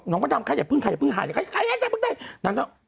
น้องประจำอย่าพึ่งถ่ายอย่าพึ่งถ่าย